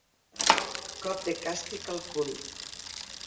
Cop de càstig al cul.